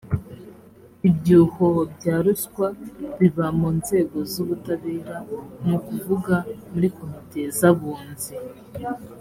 ibyuho bya ruswa biba mu nzego z ubutabera ni ukuvuga muri komite z abunzi